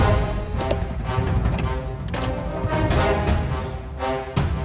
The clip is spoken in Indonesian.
aku besarnya sekarang